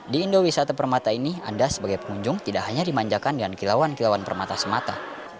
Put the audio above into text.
di indo wisata permata ini anda sebagai pengunjung tidak hanya dimanjakan dengan kilauan kilauan permata semata